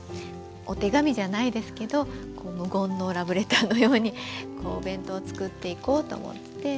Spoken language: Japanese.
お手紙じゃないですけど無言のラブレターのようにお弁当を作っていこうと思ってて。